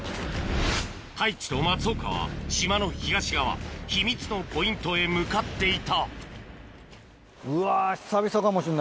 太一と松岡は島の東側秘密のポイントへ向かっていたうわ。